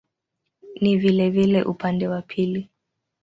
Ni vilevile upande wa pili.